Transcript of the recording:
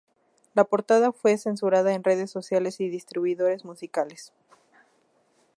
La portada fue censurada en redes sociales y distribuidores musicales.